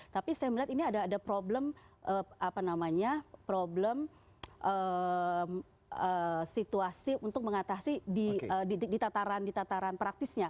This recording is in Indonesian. tapi saya melihat ini ada problem apa namanya problem situasi untuk mengatasi di tataran praktisnya